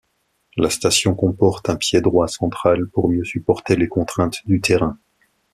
La station comporte un pied-droit central pour mieux supporter les contraintes du terrain.